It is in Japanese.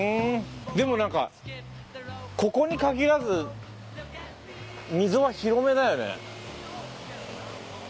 でもなんかここに限らず溝は広めだよね。